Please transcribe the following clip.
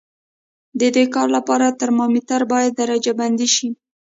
د دې کار لپاره ترمامتر باید درجه بندي شي.